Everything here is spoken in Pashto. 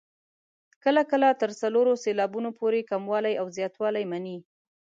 کله کله تر څلورو سېلابونو پورې کموالی او زیاتوالی مني.